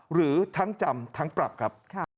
หรือทั้งจำทั้งปรับครับ